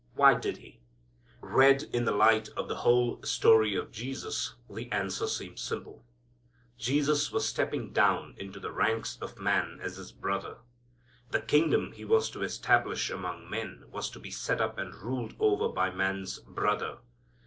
Why did He? Read in the light of the whole story of Jesus the answer seems simple. Jesus was stepping down into the ranks of man as His Brother. The kingdom He was to establish among men was to be set up and ruled over by man's Brother.